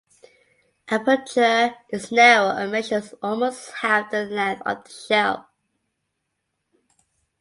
The aperture is narrow and measures almost half the length of the shell.